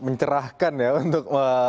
mencerahkan ya untuk